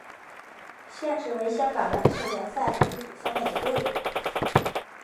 现时为香港篮球联赛乙组参赛球队。